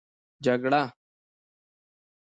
جگړه